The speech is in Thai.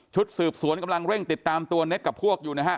สืบสวนกำลังเร่งติดตามตัวเน็ตกับพวกอยู่นะฮะ